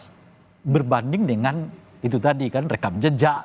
harus berbanding dengan itu tadi kan rekam jejak